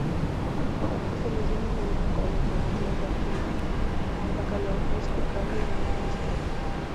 Los venecianos lo vieron como alternativa atractiva al bacalao fresco, caro y muy perecedero.